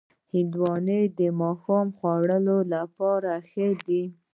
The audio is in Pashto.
هندوانه د ماښام خوړلو لپاره ښه ده.